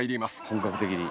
本格的に。